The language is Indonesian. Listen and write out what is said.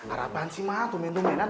arapan sih mak tumendung mainan